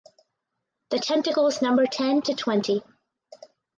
The tentacles number ten to twenty.